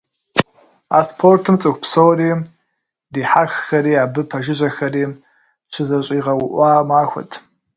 А спортым цӏыху псори - дихьэххэри абы пэжыжьэхэри - щызэщӏигъэуӏуа махуэт.